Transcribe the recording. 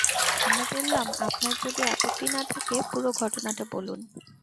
আমি বললাম, আপনার যদি আপত্তি না থাকে পুরো ঘটনাটা বলুন।